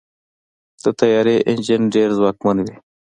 د طیارې انجن ډېر ځواکمن وي.